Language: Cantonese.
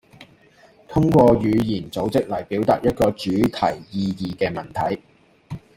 通過語言組織嚟表達一個主題意義嘅文體